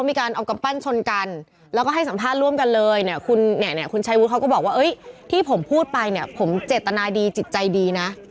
มันผมเว้ยผมพูดดีนะเขาติดใจผมดีนะ